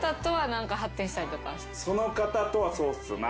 その方とはそうっすな。